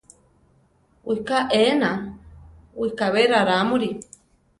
Wiká éena, wikábe rarámuri.